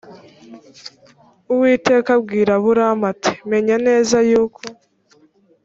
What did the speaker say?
uwiteka abwira aburamu ati menya neza yuko